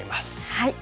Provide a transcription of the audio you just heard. はい。